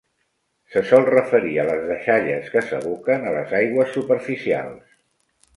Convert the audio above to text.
Se sol referir a les deixalles que s'aboquen a les aigües superficials".